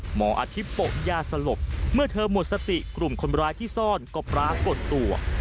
หมออาทิตย์ปกยาสลบเมื่อเธอหมดสติกลุ่มคนร้ายที่ซ่อนก็ปรากฏตัว